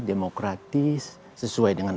demokratis sesuai dengan